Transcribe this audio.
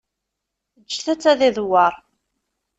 Ǧǧet-tt ad idewwer.